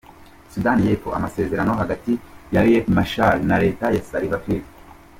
Sudani y’Epfo: Amasezerano hagati ya Riek Machar na Leta ya Salva Kiir.